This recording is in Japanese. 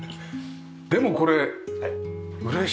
でもこれ嬉しいな。